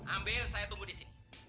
ambil saya tunggu disini